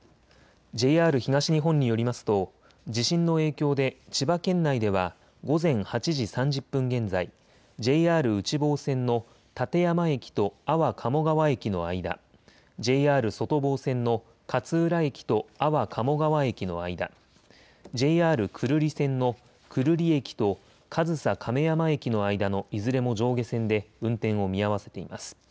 ＪＲ東日本によりますと地震の影響で千葉県内では午前８時３０分現在、ＪＲ内房線の館山駅と安房鴨川駅の間、ＪＲ外房線の勝浦市駅と安房鴨川駅の間、ＪＲ久留里線の久留里駅と上総亀山駅の間のいずれも上下線で運転を見合わせています。